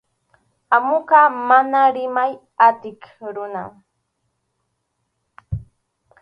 Amuqa mana rimay atiq runam.